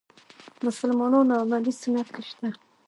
مسلمانانو عملي سنت کې شی شته.